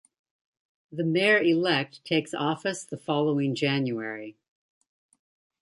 The mayor-elect takes office the following January.